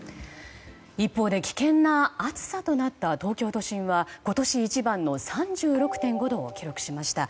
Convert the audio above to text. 一方、危険な暑さとなった東京都心は今年一番の３６．５度を記録しました。